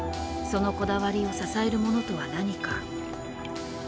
そのこだわりを支えるものとは何か。